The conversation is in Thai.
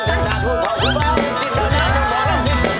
เดิน